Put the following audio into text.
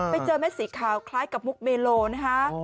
ไปเจอเม็ดสีขาวคล้ายกับมุกเมโลนะคะ